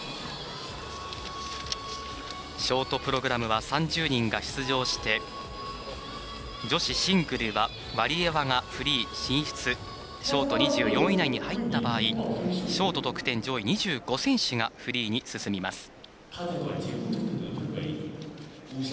ショートプログラムは３０人が出場して女子シングルはワリエワがフリー進出ショート２４位以内に入った場合ショート得点上位２５選手がフリーに進みます。